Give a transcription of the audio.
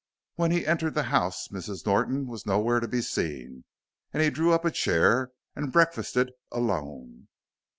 When he entered the house Mrs. Norton was nowhere to be seen and he drew up a chair and breakfasted alone.